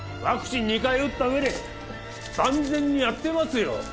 ワクチン２回打った上で万全にやってますよ！